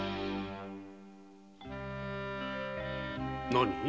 何？